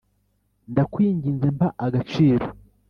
Ndakwinginze mpa agaciro